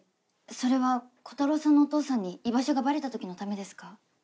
それはコタローさんのお父さんに居場所がバレた時のためですか？